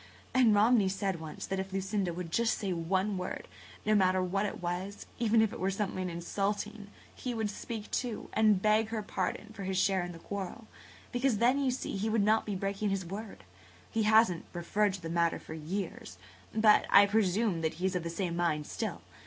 And Romney said once that if Lucinda would just say one word, no matter what it was, even if it were something insulting, he would speak, too, and beg her pardon for his share in the quarrel–because then, you see, he would not be breaking his word. He hasn't referred to the matter for years, but I presume that he is of the same mind still.